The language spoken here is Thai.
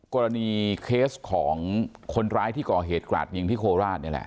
กรณีเคสของคนร้ายที่ก่อเหตุกราดยิงที่โคราชนี่แหละ